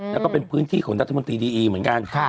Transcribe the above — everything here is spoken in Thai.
แล้วก็เป็นพื้นที่ของรัฐมนตรีดีอีเหมือนกัน